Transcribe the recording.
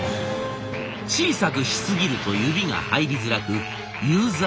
小さくしすぎると指が入りづらくユーザー泣かせに。